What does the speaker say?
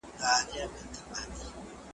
بهار به راسي خو زه به نه یم .